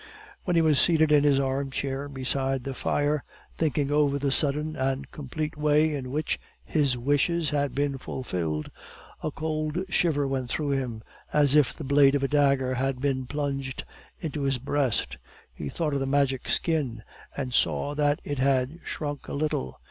When he was seated in his armchair beside the fire, thinking over the sudden and complete way in which his wishes had been fulfilled, a cold shiver went through him, as if the blade of a dagger had been plunged into his breast he thought of the Magic Skin, and saw that it had shrunk a little.